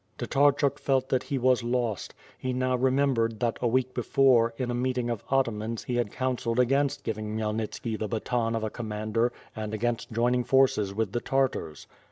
Tatarchuk felt that he was lost. He now remembered that a week before, in a meeting of atamans he had counselled against giving Khmyelnitski the baton of commander, and against joining with the Tartars.